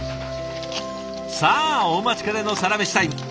さあお待ちかねのサラメシタイム！